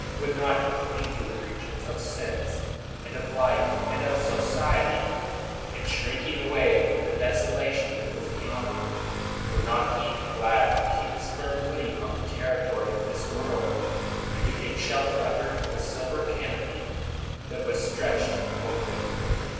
Would not he cling to the regions of sense and of life and of society ?— and shrink ing away from the desolation that was beyond it, would not he be glad to keep his firm footing on the territory of this world and to take shelter under the silver canopy that was stretched over it?